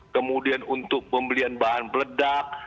kemudian untuk pembelian bahan peledak